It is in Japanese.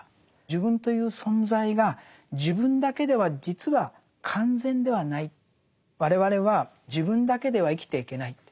自分という存在が自分だけでは実は完全ではない我々は自分だけでは生きていけないって。